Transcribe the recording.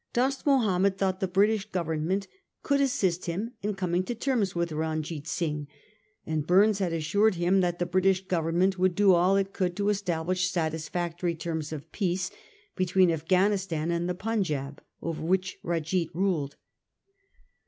Dost Mahomed thought the British Government could assist him in coming to terms with Runjeet Singh, and Burnes had assured him that the British Government would do all it could to establish satisfactory terms of peace between Af ghanistan and the Punjaub, over which. Runjeet Singh ruled.